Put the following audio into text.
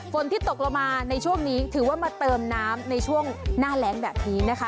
ฝนที่ตกลงมาในช่วงนี้ถือว่ามาเติมน้ำในช่วงหน้าแรงแบบนี้นะคะ